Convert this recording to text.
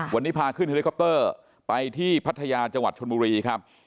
วันนี้พาขึ้นเฮลิคอปเตอร์ไปที่พัทยาจังหวัดชนบุรีครับ